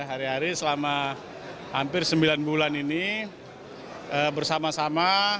hari hari selama hampir sembilan bulan ini bersama sama